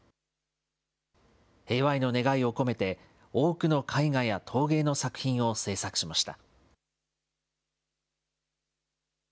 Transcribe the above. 平和への願いを込めて、多くの絵画や陶芸の作品を制作しました。